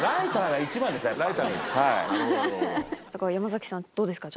山さんどうですか？